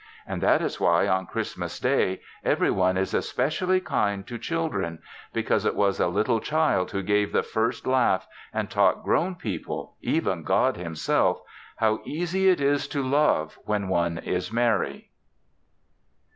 And that is why on Christmas Day everyone is especially kind to children, because it was a little child who gave the first laugh and taught grown people, even God Himself, how easy it is to love when one is merry.